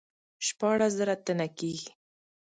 شپاړس زره تنه کیږي.